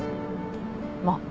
まあ